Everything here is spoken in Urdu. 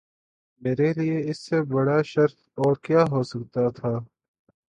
میرے لیے اس سے بڑا شرف اور کیا ہو سکتا تھا